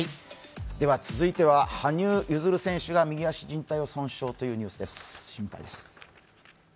続いては羽生結弦選手が右足じん帯損傷というニュースです